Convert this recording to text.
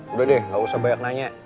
udah deh gak usah banyak nanya